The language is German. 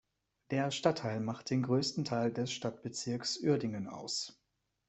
Der Stadtteil macht den größten Teil des Stadtbezirks Uerdingen aus.